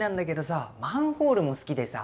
マンホールも好きでさ。